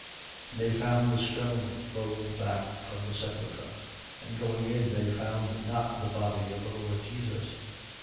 24:2. And they found the stone rolled back from the sepulchre. 24:3. And going in, they found not the body of the Lord Jesus.